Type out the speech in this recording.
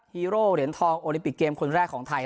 ฮีโร่เหรียญทองโอลิปิกเกมคนแรกของไทย